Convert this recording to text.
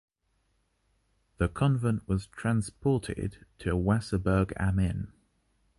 The convent was “transported” to Wasserburg am Inn.